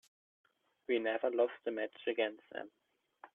We never lost a match against them.